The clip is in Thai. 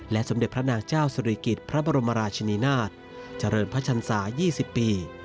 สมเด็จพระนางเจ้าสุริกิจพระบรมราชนีนาฏเจริญพระชันศา๒๐ปี